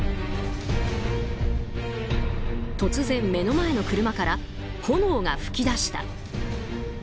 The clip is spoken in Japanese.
突然、目の前の車から炎が噴き出した。